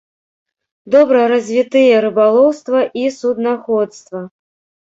Добра развітыя рыбалоўства і суднаходства.